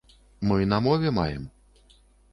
Мы на мове маем.